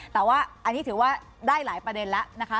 แต่ว่าอันนี้ถือว่าได้หลายประเด็นแล้วนะคะ